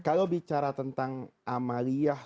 kalau bicara tentang amaliyah